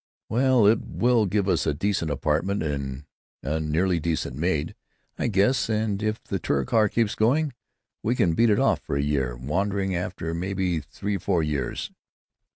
"Well, it 'll give us a decent apartment and a nearly decent maid, I guess. And if the Touricar keeps going, we can beat it off for a year, wandering, after maybe three four years."